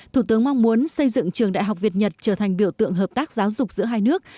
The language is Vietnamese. thủ tướng mong muốn xây dựng trường đại học việt nhật trở thành biểu tượng hợp tác giáo dục giữa hai nước